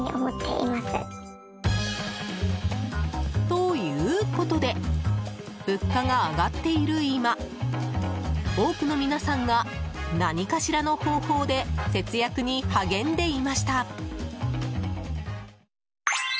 ということで物価が上がっている今多くの皆さんが何かしらの方法で節約に励んでいました。